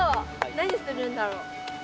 何するんだろ？